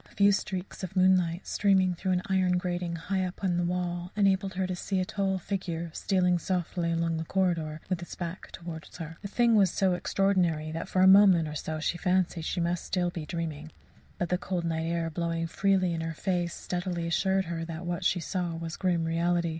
A few streaks of moonlight, streaming through an iron grating high up in the wall, enabled her to see a tall figure stealing softly along the corridor, with its back towards her. The thing was so extraordinary that for a moment or so she fancied she must still be dreaming; but the cold night air blowing freely in her face speedily assured her that what she saw was grim reality.